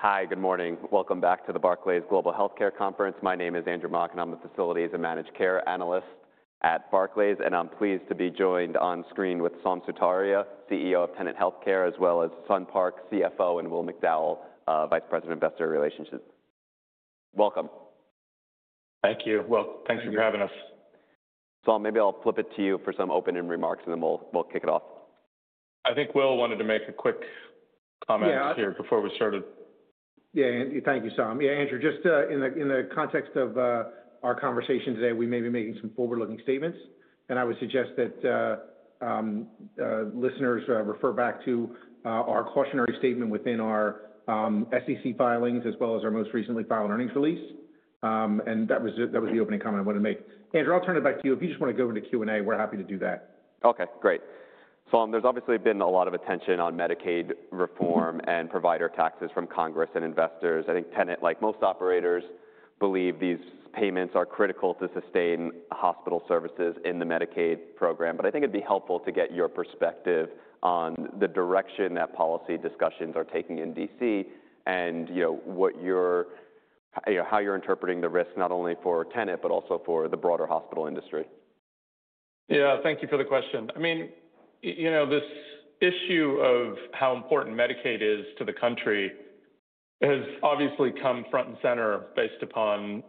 Hi, good morning. Welcome back to the Barclays Global Healthcare Conference. My name is Andrew Mok, and I'm the Facilities and Managed Care Analyst at Barclays. I'm pleased to be joined on screen with Saum Sutaria, CEO of Tenet Healthcare, as well as Sun Park, CFO, and Will McDowell, Vice President, Investor Relations. Welcome. Thank you. Thanks for having us. Saum, maybe I'll flip it to you for some opening remarks, and then we'll kick it off. I think Will wanted to make a quick comment here before we started. Yeah, thank you, Saum. Yeah, Andrew, just in the context of our conversation today, we may be making some forward-looking statements. I would suggest that listeners refer back to our cautionary statement within our SEC filings, as well as our most recently filed earnings release. That was the opening comment I wanted to make. Andrew, I'll turn it back to you. If you just want to go into Q&A, we're happy to do that. Okay, great. Saum, there's obviously been a lot of attention on Medicaid reform and provider taxes from Congress and investors. I think Tenet, like most operators, believe these payments are critical to sustain hospital services in the Medicaid program. I think it'd be helpful to get your perspective on the direction that policy discussions are taking in DC and how you're interpreting the risk, not only for Tenet, but also for the broader hospital industry. Yeah, thank you for the question. I mean, this issue of how important Medicaid is to the country has obviously come front and center based upon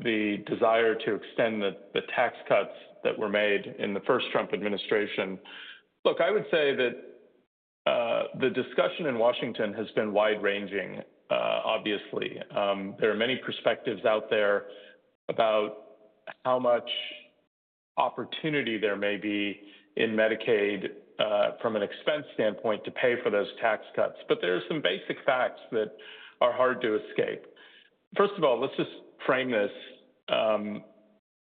the desire to extend the tax cuts that were made in the first Trump administration. Look, I would say that the discussion in Washington has been wide-ranging, obviously. There are many perspectives out there about how much opportunity there may be in Medicaid from an expense standpoint to pay for those tax cuts. There are some basic facts that are hard to escape. First of all, let's just frame this.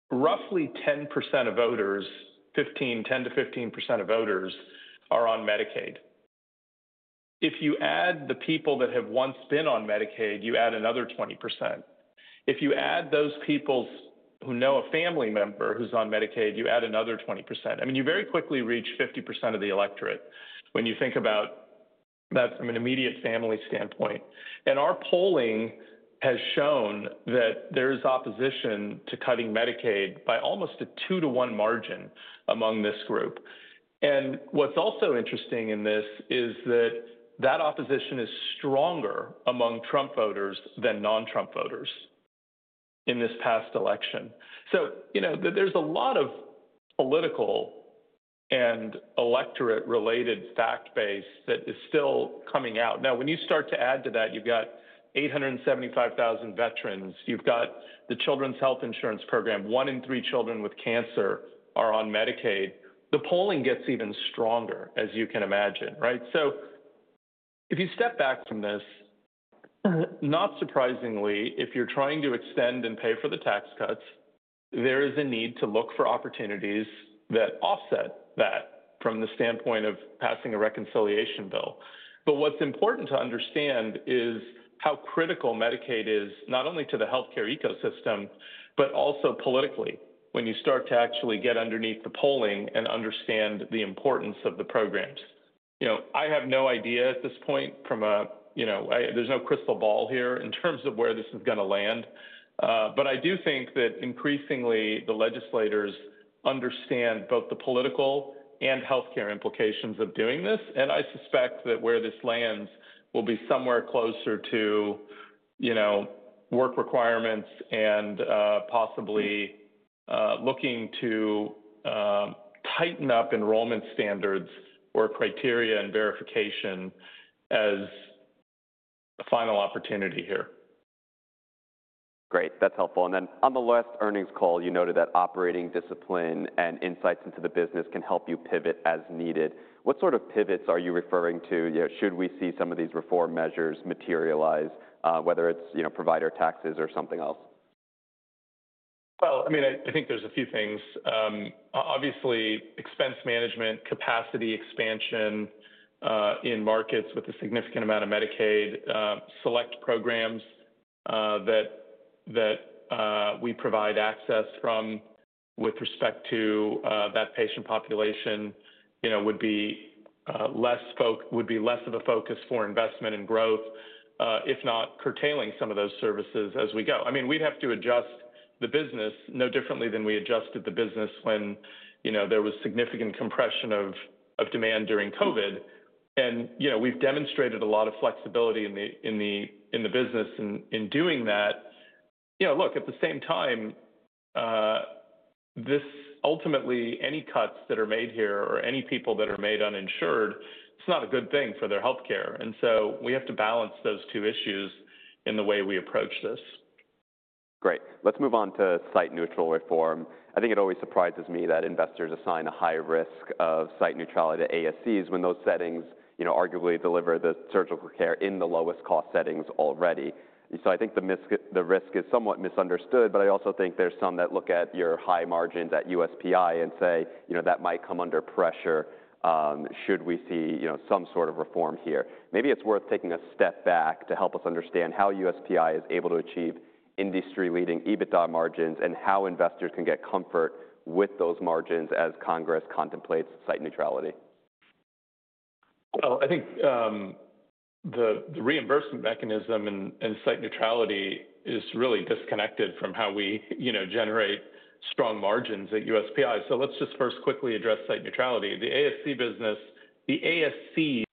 Roughly 10% of voters, 10%-15% of voters, are on Medicaid. If you add the people that have once been on Medicaid, you add another 20%. If you add those people who know a family member who's on Medicaid, you add another 20%. I mean, you very quickly reach 50% of the electorate when you think about that from an immediate family standpoint. Our polling has shown that there is opposition to cutting Medicaid by almost a two-to-one margin among this group. What's also interesting in this is that opposition is stronger among Trump voters than non-Trump voters in this past election. There is a lot of political and electorate-related fact base that is still coming out. Now, when you start to add to that, you've got 875,000 veterans. You've got the Children's Health Insurance Program. One in three children with cancer are on Medicaid. The polling gets even stronger, as you can imagine, right? If you step back from this, not surprisingly, if you're trying to extend and pay for the tax cuts, there is a need to look for opportunities that offset that from the standpoint of passing a reconciliation bill. What's important to understand is how critical Medicaid is, not only to the healthcare ecosystem, but also politically, when you start to actually get underneath the polling and understand the importance of the programs. I have no idea at this point from a—there's no crystal ball here in terms of where this is going to land. I do think that increasingly the legislators understand both the political and healthcare implications of doing this. I suspect that where this lands will be somewhere closer to work requirements and possibly looking to tighten up enrollment standards or criteria and verification as a final opportunity here. Great. That's helpful. On the last earnings call, you noted that operating discipline and insights into the business can help you pivot as needed. What sort of pivots are you referring to? Should we see some of these reform measures materialize, whether it's provider taxes or something else? I mean, I think there's a few things. Obviously, expense management, capacity expansion in markets with a significant amount of Medicaid, select programs that we provide access from with respect to that patient population would be less of a focus for investment and growth, if not curtailing some of those services as we go. I mean, we'd have to adjust the business no differently than we adjusted the business when there was significant compression of demand during COVID. We've demonstrated a lot of flexibility in the business in doing that. Look, at the same time, ultimately, any cuts that are made here or any people that are made uninsured, it's not a good thing for their healthcare. We have to balance those two issues in the way we approach this. Great. Let's move on to site-neutral reform. I think it always surprises me that investors assign a high risk of site neutrality to ASCs when those settings arguably deliver the surgical care in the lowest cost settings already. I think the risk is somewhat misunderstood, but I also think there's some that look at your high margins at USPI and say, "That might come under pressure. Should we see some sort of reform here?" Maybe it's worth taking a step back to help us understand how USPI is able to achieve industry-leading EBITDA margins and how investors can get comfort with those margins as Congress contemplates site neutrality. I think the reimbursement mechanism and site neutrality is really disconnected from how we generate strong margins at USPI. Let's just first quickly address site neutrality. The ASC business, the ASCs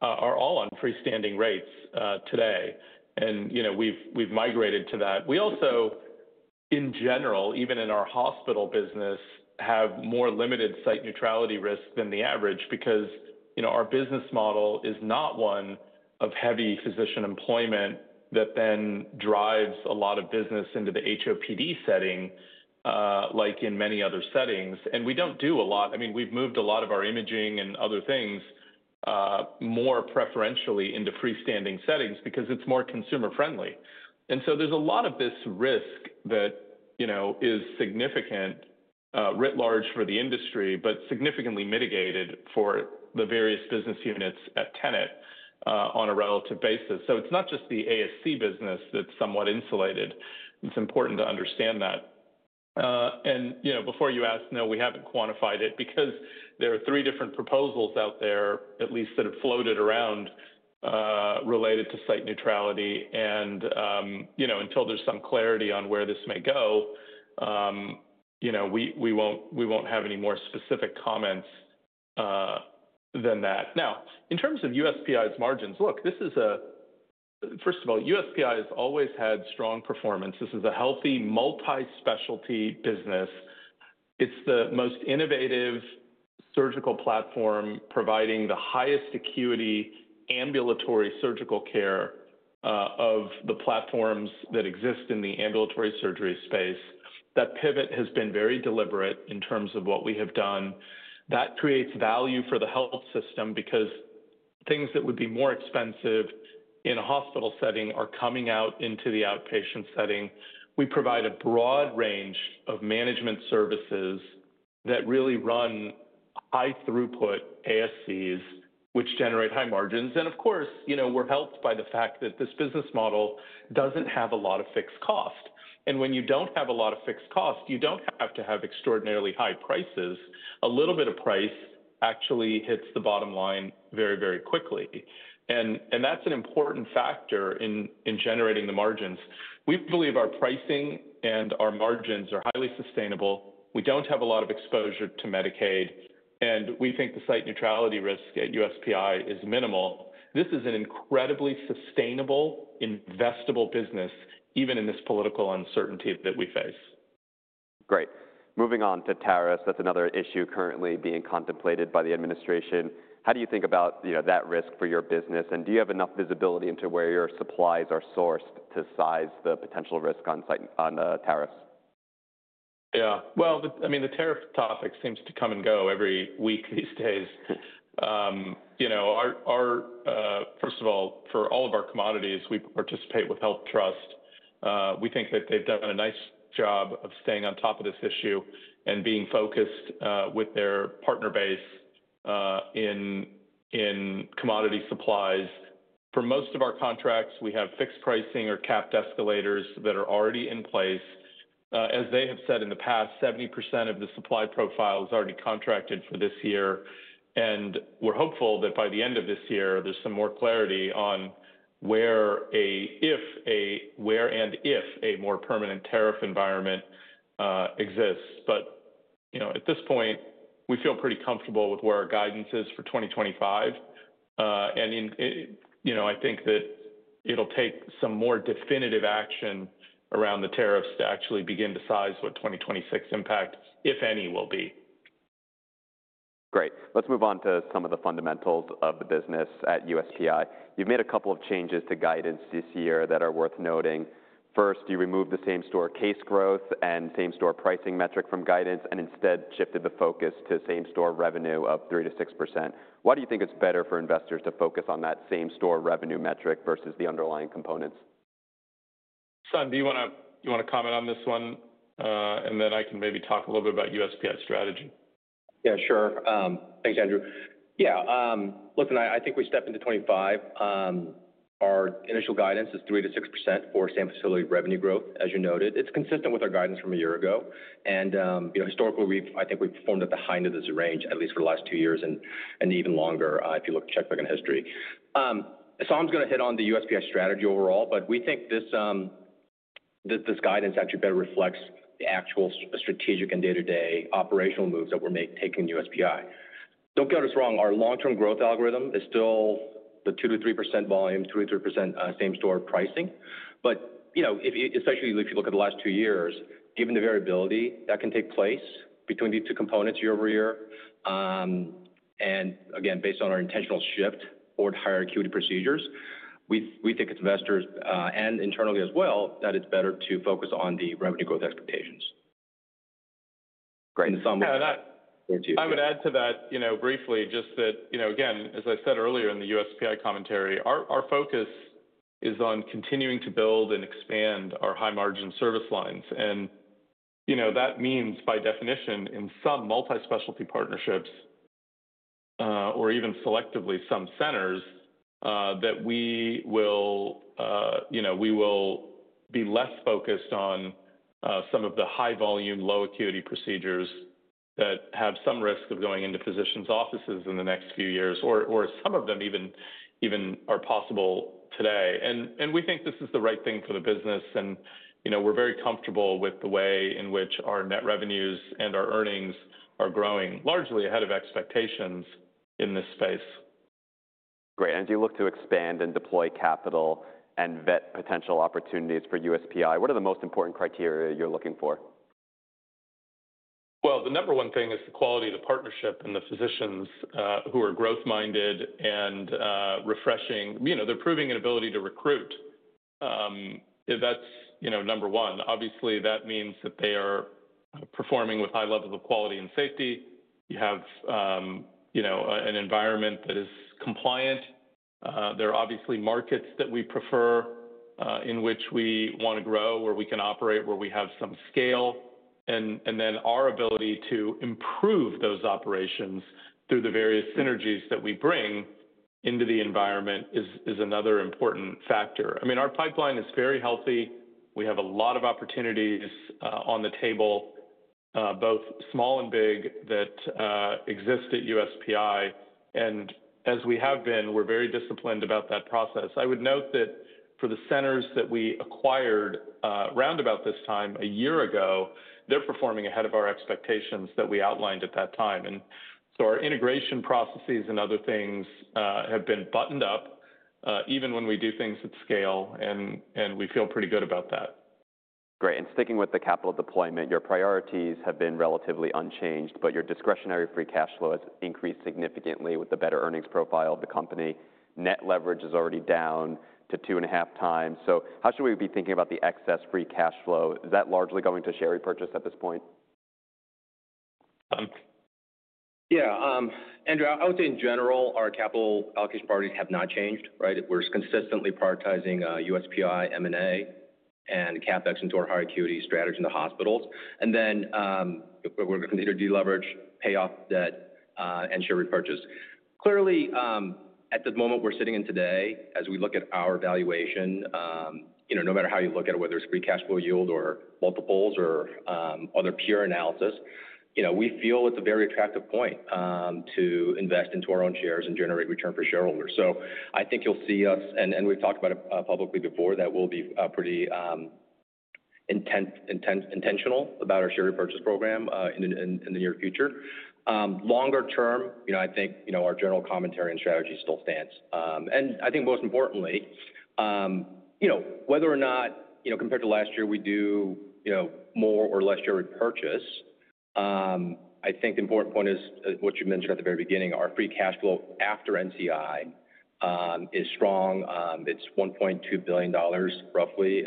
are all on freestanding rates today. We've migrated to that. We also, in general, even in our hospital business, have more limited site neutrality risk than the average because our business model is not one of heavy physician employment that then drives a lot of business into the HOPD setting, like in many other settings. I mean, we've moved a lot of our imaging and other things more preferentially into freestanding settings because it's more consumer-friendly. There is a lot of this risk that is significant, writ large for the industry, but significantly mitigated for the various business units at Tenet on a relative basis. It is not just the ASC business that is somewhat insulated. It is important to understand that. Before you asked, no, we have not quantified it because there are three different proposals out there, at least that have floated around related to site neutrality. Until there is some clarity on where this may go, we will not have any more specific comments than that. In terms of USPI's margins, look, this is a—first of all, USPI has always had strong performance. This is a healthy multi-specialty business. It is the most innovative surgical platform, providing the highest acuity ambulatory surgical care of the platforms that exist in the ambulatory surgery space. That pivot has been very deliberate in terms of what we have done. That creates value for the health system because things that would be more expensive in a hospital setting are coming out into the outpatient setting. We provide a broad range of management services that really run high-throughput ASCs, which generate high margins. We are helped by the fact that this business model does not have a lot of fixed cost. When you do not have a lot of fixed cost, you do not have to have extraordinarily high prices. A little bit of price actually hits the bottom line very, very quickly. That is an important factor in generating the margins. We believe our pricing and our margins are highly sustainable. We do not have a lot of exposure to Medicaid. We think the site neutrality risk at USPI is minimal. This is an incredibly sustainable, investable business, even in this political uncertainty that we face. Great. Moving on to tariffs. That's another issue currently being contemplated by the administration. How do you think about that risk for your business? Do you have enough visibility into where your supplies are sourced to size the potential risk on tariffs? Yeah. I mean, the tariff topic seems to come and go every week these days. First of all, for all of our commodities, we participate with HealthTrust. We think that they've done a nice job of staying on top of this issue and being focused with their partner base in commodity supplies. For most of our contracts, we have fixed pricing or capped escalators that are already in place. As they have said in the past, 70% of the supply profile is already contracted for this year. We're hopeful that by the end of this year, there's some more clarity on where and if a more permanent tariff environment exists. At this point, we feel pretty comfortable with where our guidance is for 2025. I think that it'll take some more definitive action around the tariffs to actually begin to size what 2026 impact, if any, will be. Great. Let's move on to some of the fundamentals of the business at USPI. You've made a couple of changes to guidance this year that are worth noting. First, you removed the same-store case growth and same-store pricing metric from guidance and instead shifted the focus to same-store revenue of 3%-6%. Why do you think it's better for investors to focus on that same-store revenue metric versus the underlying components? Sun, do you want to comment on this one? I can maybe talk a little bit about USPI's strategy. Yeah, sure. Thanks, Andrew. Yeah. Look, I think we step into 2025. Our initial guidance is 3%-6% for same-facility revenue growth, as you noted. It is consistent with our guidance from a year ago. Historically, I think we have performed at the height of this range, at least for the last two years and even longer, if you look at checkbook and history. Saum is going to hit on the USPI strategy overall, but we think this guidance actually better reflects the actual strategic and day-to-day operational moves that we are taking in USPI. Do not get us wrong. Our long-term growth algorithm is still the 2%-3% volume, 2%-3% same-store pricing. Especially if you look at the last two years, given the variability that can take place between these two components year over year, and again, based on our intentional shift toward higher acuity procedures, we think it's investors and internally as well that it's better to focus on the revenue growth expectations. Great. I would add to that briefly just that, again, as I said earlier in the USPI commentary, our focus is on continuing to build and expand our high-margin service lines. That means, by definition, in some multi-specialty partnerships or even selectively some centers, that we will be less focused on some of the high-volume, low-acuity procedures that have some risk of going into physicians' offices in the next few years, or some of them even are possible today. We think this is the right thing for the business. We are very comfortable with the way in which our net revenues and our earnings are growing largely ahead of expectations in this space. Great. As you look to expand and deploy capital and vet potential opportunities for USPI, what are the most important criteria you're looking for? The number one thing is the quality of the partnership and the physicians who are growth-minded and refreshing. They're proving an ability to recruit. That's number one. Obviously, that means that they are performing with high levels of quality and safety. You have an environment that is compliant. There are obviously markets that we prefer in which we want to grow, where we can operate, where we have some scale. Our ability to improve those operations through the various synergies that we bring into the environment is another important factor. I mean, our pipeline is very healthy. We have a lot of opportunities on the table, both small and big, that exist at USPI. As we have been, we're very disciplined about that process. I would note that for the centers that we acquired round about this time a year ago, they're performing ahead of our expectations that we outlined at that time. Our integration processes and other things have been buttoned up, even when we do things at scale, and we feel pretty good about that. Great. Sticking with the capital deployment, your priorities have been relatively unchanged, but your discretionary free cash flow has increased significantly with the better earnings profile of the company. Net leverage is already down to two and a half times. How should we be thinking about the excess free cash flow? Is that largely going to share repurchase at this point? Yeah. Andrew, I would say in general, our capital allocation priorities have not changed, right? We're consistently prioritizing USPI, M&A, and CapEx into our high-acuity strategy in the hospitals. Then we're going to consider deleverage, payoff debt, and share repurchase. Clearly, at the moment we're sitting in today, as we look at our valuation, no matter how you look at it, whether it's free cash flow yield or multiples or other peer analysis, we feel it's a very attractive point to invest into our own shares and generate return for shareholders. I think you'll see us, and we've talked about it publicly before, that we'll be pretty intentional about our share repurchase program in the near future. Longer term, I think our general commentary and strategy still stands. I think most importantly, whether or not compared to last year, we do more or less share repurchase, I think the important point is what you mentioned at the very beginning. Our free cash flow after NCI is strong. It's $1.2 billion, roughly,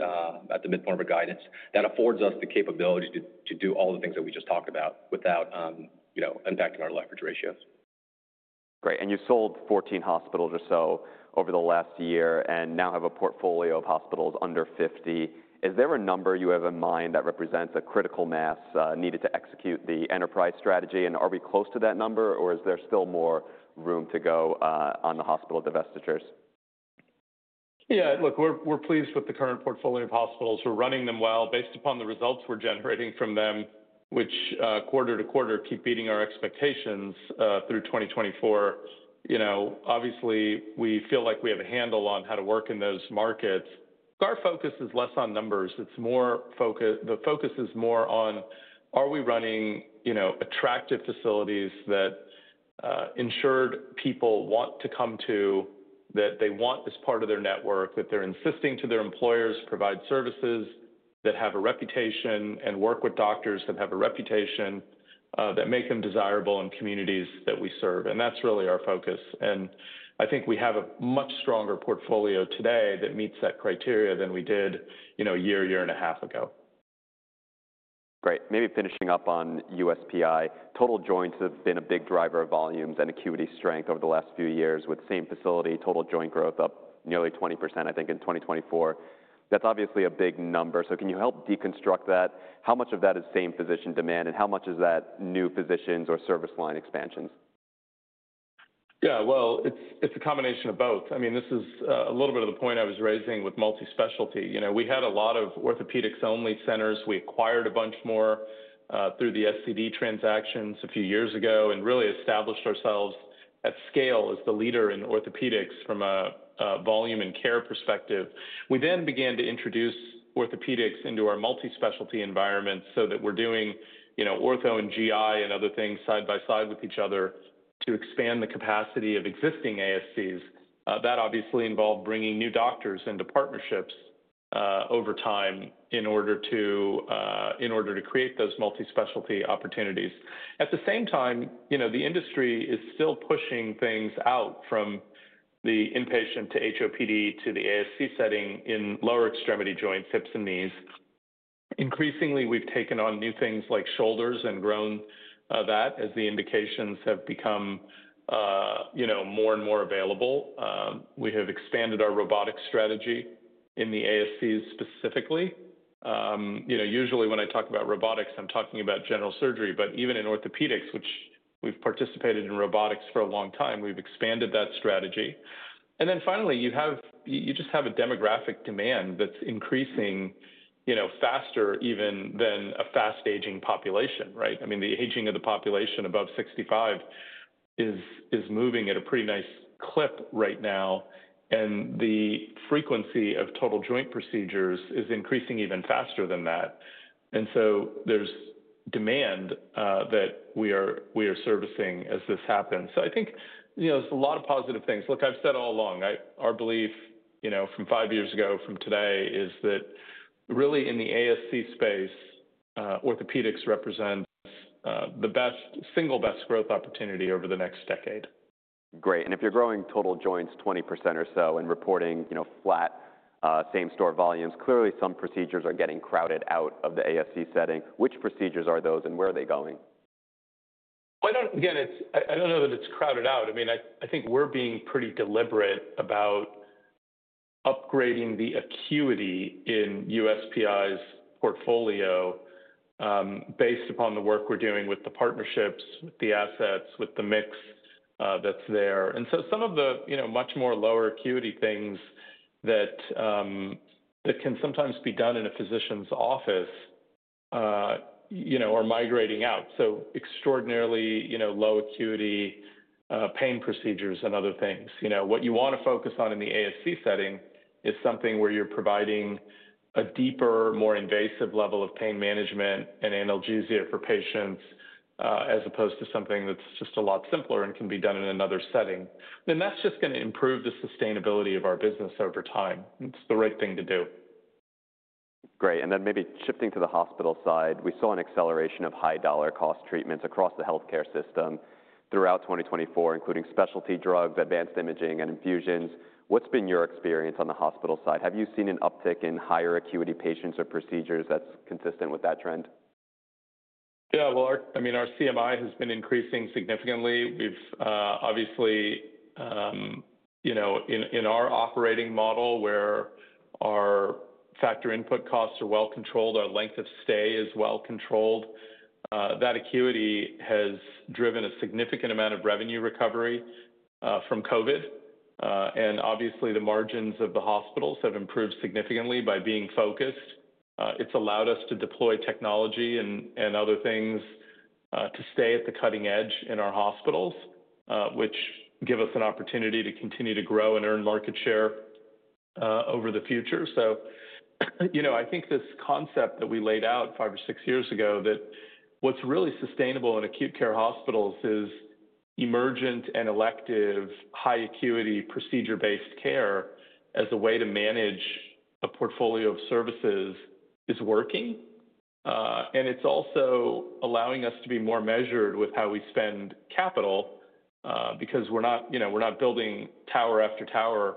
at the midpoint of our guidance. That affords us the capability to do all the things that we just talked about without impacting our leverage ratios. Great. You've sold 14 hospitals or so over the last year and now have a portfolio of hospitals under 50. Is there a number you have in mind that represents a critical mass needed to execute the enterprise strategy? Are we close to that number, or is there still more room to go on the hospital divestitures? Yeah. Look, we're pleased with the current portfolio of hospitals. We're running them well based upon the results we're generating from them, which quarter to quarter keep beating our expectations through 2024. Obviously, we feel like we have a handle on how to work in those markets. Our focus is less on numbers. The focus is more on, are we running attractive facilities that insured people want to come to, that they want as part of their network, that they're insisting to their employers provide services that have a reputation and work with doctors that have a reputation that make them desirable in communities that we serve. That's really our focus. I think we have a much stronger portfolio today that meets that criteria than we did a year, year and a half ago. Great. Maybe finishing up on USPI, total joints have been a big driver of volumes and acuity strength over the last few years with same-facility total joint growth up nearly 20% in 2024. That's obviously a big number. Can you help deconstruct that? How much of that is same-physician demand, and how much is that new physicians or service line expansions? Yeah. It is a combination of both. I mean, this is a little bit of the point I was raising with multi-specialty. We had a lot of orthopedics-only centers. We acquired a bunch more through the SCD transactions a few years ago and really established ourselves at scale as the leader in orthopedics from a volume and care perspective. We then began to introduce orthopedics into our multi-specialty environment so that we are doing ortho and GI and other things side by side with each other to expand the capacity of existing ASCs. That obviously involved bringing new doctors into partnerships over time in order to create those multi-specialty opportunities. At the same time, the industry is still pushing things out from the inpatient to HOPD to the ASC setting in lower extremity joints, hips, and knees. Increasingly, we've taken on new things like shoulders and grown that as the indications have become more and more available. We have expanded our robotics strategy in the ASCs specifically. Usually, when I talk about robotics, I'm talking about general surgery. But even in orthopedics, which we've participated in robotics for a long time, we've expanded that strategy. Finally, you just have a demographic demand that's increasing faster even than a fast-aging population, right? I mean, the aging of the population above 65 is moving at a pretty nice clip right now. The frequency of total joint procedures is increasing even faster than that. There is demand that we are servicing as this happens. I think there's a lot of positive things. Look, I've said all along, our belief from five years ago from today is that really in the ASC space, orthopedics represents the single best growth opportunity over the next decade. Great. If you're growing total joints 20% or so and reporting flat same-store volumes, clearly some procedures are getting crowded out of the ASC setting. Which procedures are those, and where are they going? Again, I don't know that it's crowded out. I mean, I think we're being pretty deliberate about upgrading the acuity in USPI's portfolio based upon the work we're doing with the partnerships, with the assets, with the mix that's there. Some of the much more lower acuity things that can sometimes be done in a physician's office are migrating out. Extraordinarily low acuity pain procedures and other things. What you want to focus on in the ASC setting is something where you're providing a deeper, more invasive level of pain management and analgesia for patients as opposed to something that's just a lot simpler and can be done in another setting. That is just going to improve the sustainability of our business over time. It's the right thing to do. Great. Maybe shifting to the hospital side, we saw an acceleration of high-dollar cost treatments across the healthcare system throughout 2024, including specialty drugs, advanced imaging, and infusions. What's been your experience on the hospital side? Have you seen an uptick in higher acuity patients or procedures that's consistent with that trend? Yeah. I mean, our CMI has been increasing significantly. Obviously, in our operating model where our factor input costs are well controlled, our length of stay is well controlled. That acuity has driven a significant amount of revenue recovery from COVID. Obviously, the margins of the hospitals have improved significantly by being focused. It has allowed us to deploy technology and other things to stay at the cutting edge in our hospitals, which give us an opportunity to continue to grow and earn market share over the future. I think this concept that we laid out five or six years ago that what is really sustainable in acute care hospitals is emergent and elective high acuity procedure-based care as a way to manage a portfolio of services is working. It's also allowing us to be more measured with how we spend capital because we're not building tower after tower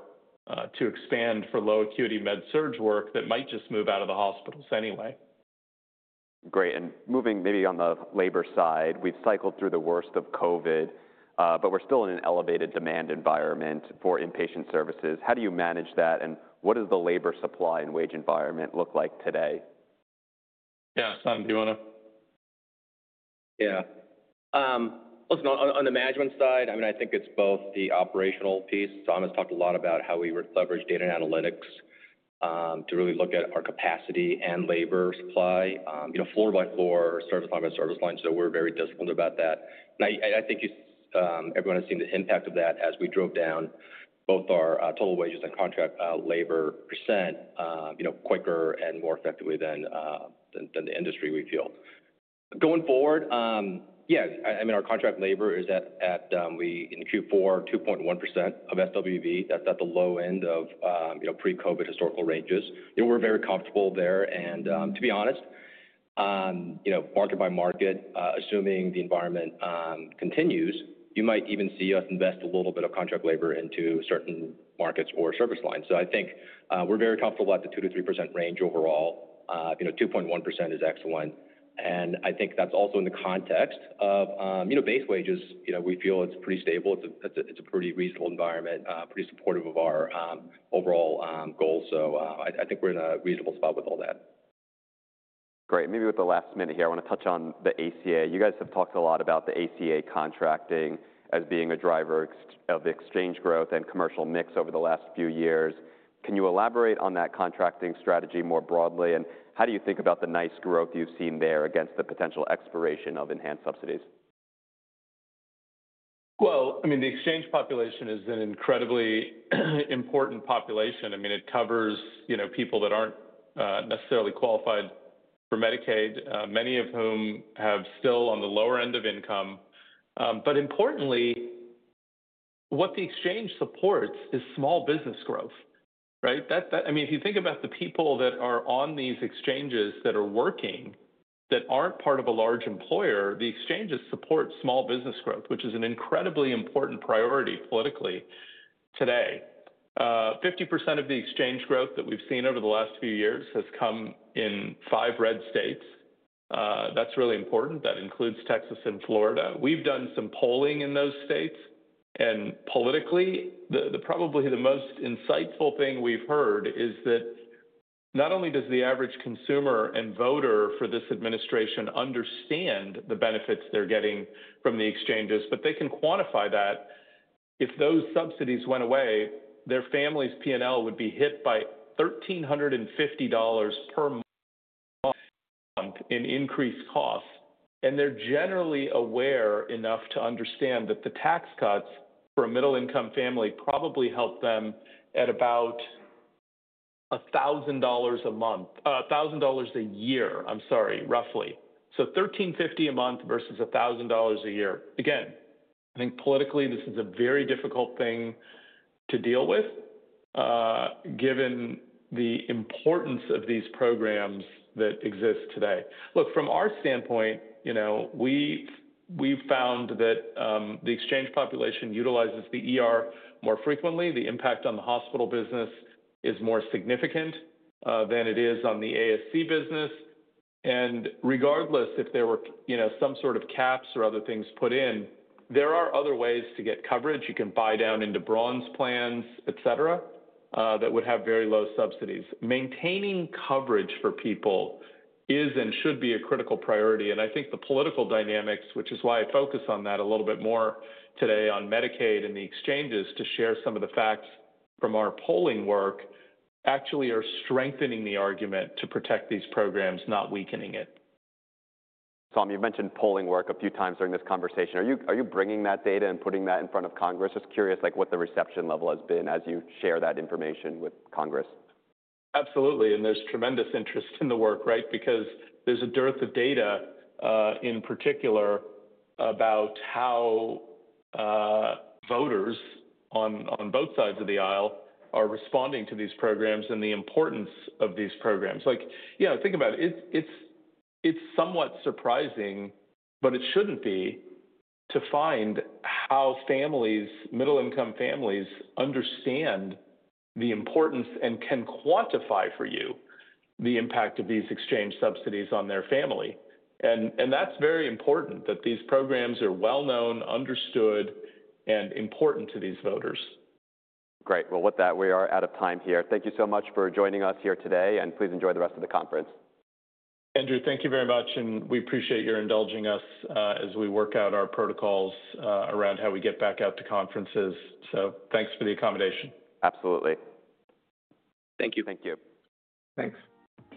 to expand for low acuity med-surg work that might just move out of the hospitals anyway. Great. Moving maybe on the labor side, we've cycled through the worst of COVID, but we're still in an elevated demand environment for inpatient services. How do you manage that, and what does the labor supply and wage environment look like today? Yeah. Sun, do you want to? Yeah. Listen, on the management side, I mean, I think it's both the operational piece. I'm going to talk a lot about how we leverage data and analytics to really look at our capacity and labor supply. Floor by floor, service line by service line, so we're very disciplined about that. I think everyone has seen the impact of that as we drove down both our total wages and contract labor percent quicker and more effectively than the industry, we feel. Going forward, yeah, I mean, our contract labor is at, in Q4, 2.1% of SWB. That's at the low end of pre-COVID historical ranges. We're very comfortable there. To be honest, market by market, assuming the environment continues, you might even see us invest a little bit of contract labor into certain markets or service lines. I think we're very comfortable at the 2%-3% range overall. 2.1% is excellent. I think that's also in the context of base wages. We feel it's pretty stable. It's a pretty reasonable environment, pretty supportive of our overall goals. I think we're in a reasonable spot with all that. Great. Maybe with the last minute here, I want to touch on the ACA. You guys have talked a lot about the ACA contracting as being a driver of the exchange growth and commercial mix over the last few years. Can you elaborate on that contracting strategy more broadly, and how do you think about the nice growth you've seen there against the potential expiration of enhanced subsidies? The exchange population is an incredibly important population. I mean, it covers people that are not necessarily qualified for Medicaid, many of whom are still on the lower end of income. Importantly, what the exchange supports is small business growth, right? I mean, if you think about the people that are on these exchanges that are working that are not part of a large employer, the exchanges support small business growth, which is an incredibly important priority politically today. 50% of the exchange growth that we have seen over the last few years has come in five red states. That is really important. That includes Texas and Florida. We have done some polling in those states. Politically, probably the most insightful thing we have heard is that not only does the average consumer and voter for this administration understand the benefits they are getting from the exchanges, but they can quantify that. If those subsidies went away, their family's P&L would be hit by $1,350 per month in increased costs. They're generally aware enough to understand that the tax cuts for a middle-income family probably help them at about $1,000 a month, $1,000 a year, I'm sorry, roughly. $1,350 a month versus $1,000 a year. I think politically, this is a very difficult thing to deal with given the importance of these programs that exist today. Look, from our standpoint, we've found that the exchange population utilizes the more frequently. The impact on the hospital business is more significant than it is on the ASC business. Regardless if there were some sort of caps or other things put in, there are other ways to get coverage. You can buy down into bronze plans, etc., that would have very low subsidies. Maintaining coverage for people is and should be a critical priority. I think the political dynamics, which is why I focus on that a little bit more today on Medicaid and the exchanges to share some of the facts from our polling work, actually are strengthening the argument to protect these programs, not weakening it. Saum, you've mentioned polling work a few times during this conversation. Are you bringing that data and putting that in front of Congress? Just curious what the reception level has been as you share that information with Congress. Absolutely. There is tremendous interest in the work, right? Because there is a dearth of data in particular about how voters on both sides of the aisle are responding to these programs and the importance of these programs. Think about it. It is somewhat surprising, but it should not be, to find how families, middle-income families, understand the importance and can quantify for you the impact of these exchange subsidies on their family. That is very important that these programs are well-known, understood, and important to these voters. Great. With that, we are out of time here. Thank you so much for joining us here today. Please enjoy the rest of the conference. Andrew, thank you very much. We appreciate your indulging us as we work out our protocols around how we get back out to conferences. Thank you for the accommodation. Absolutely. Thank you. Thank you. Thanks.